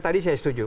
tadi saya setuju